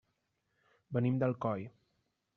Venim d'Alcoi.